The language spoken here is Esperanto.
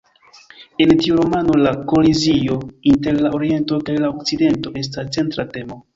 En tiu romano la kolizio inter la Oriento kaj la Okcidento estas centra temo.